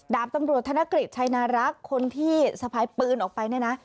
ดาบตำรวจธนกฤษชัยนารักษ์คนที่สะพายปืนออกไปเนี่ยนะ